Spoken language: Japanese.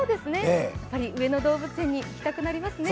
やっぱり上野動物園に行きたくなりますね。